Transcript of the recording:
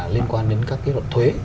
liên quan đến các cái luật thuế